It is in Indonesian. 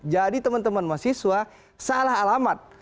jadi teman teman mahasiswa salah alamat